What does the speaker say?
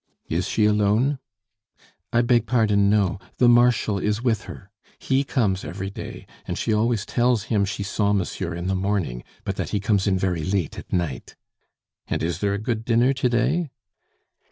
"Is she alone?" "I beg pardon, no; the Marshal is with her. He comes every day, and she always tells him she saw monsieur in the morning, but that he comes in very late at night." "And is there a good dinner to day?"